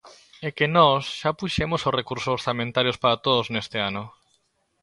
É que nós xa puxemos os recursos orzamentarios para todos neste ano.